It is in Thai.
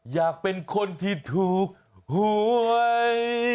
อยากเป็นคนที่ถูกหวย